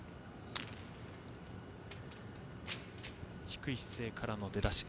低い姿勢からの出だし。